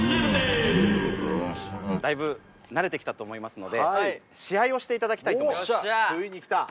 だいぶ慣れてきたと思いますので試合をしていただきたいと思います